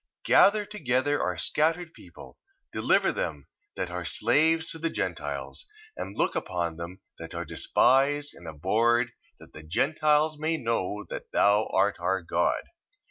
1:27. Gather together our scattered people, deliver them that are slaves to the Gentiles, and look upon them that are despised and abhorred: that the Gentiles may know that thou art our God.